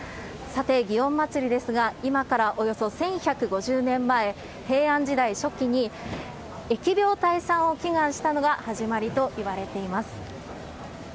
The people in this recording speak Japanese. さて、祇園祭ですが、今からおよそ１１５０年前、平安時代初期に疫病退散を祈願したのが始まりといわれています。